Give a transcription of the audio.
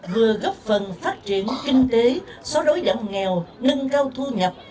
vừa gấp phần phát triển kinh tế xóa đối giảm nghèo nâng cao thu nhập